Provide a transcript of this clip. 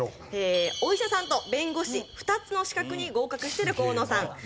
お医者さんと弁護士２つの資格に合格している河野さん。